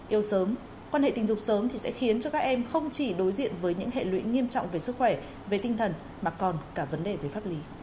yêu sớm quan hệ tình dục sớm thì sẽ khiến cho các em không chỉ đối diện với những hệ lụy nghiêm trọng về sức khỏe về tinh thần mà còn cả vấn đề về pháp lý